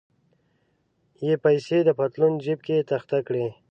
یې پیسې د پتلون جیب کې تخته کړې.